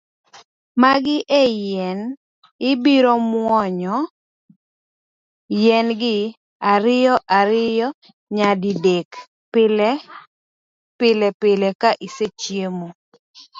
Magi e yien, ibiro muonyo yien gi ariyo ariyo nyadi dek, pilepile ka isechiemo.